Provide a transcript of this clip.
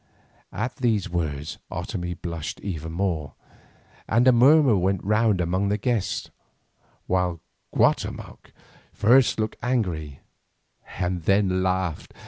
At these words Otomie blushed even more, and a murmur went round among the guests, while Guatemoc first looked angry and then laughed.